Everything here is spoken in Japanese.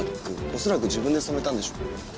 恐らく自分で染めたんでしょう。